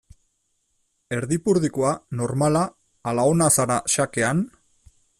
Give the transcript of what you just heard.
Erdipurdikoa, normala ala ona zara xakean?